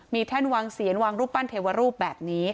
มีแท่นวางเสียนวางรูปปั้นเทวรูปแบบนี้